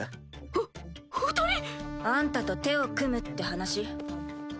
ふ二人？あんたと手を組むって話？